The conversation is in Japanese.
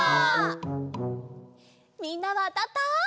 みんなはあたった？